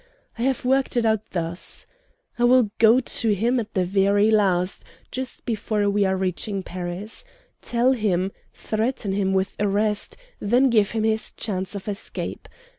"I have worked it out thus: "I will go to him at the very last, just before we are reaching Paris. Tell him, threaten him with arrest, then give him his chance of escape.